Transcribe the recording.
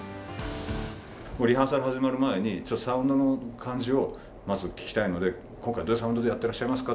リハーサル始まる前にサウンドの感じをまず聴きたいので今回どういうサウンドでやってらっしゃいますか？